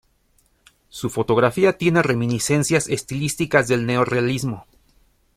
Su fotografía tiene reminiscencias estilísticas del neorrealismo.